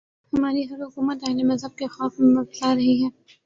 ہماری ہر حکومت اہل مذہب کے خوف میں مبتلا رہی ہے۔